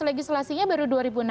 legislasinya baru dua ribu enam belas